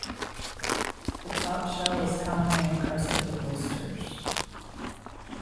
The top shell is commonly encrusted with oysters.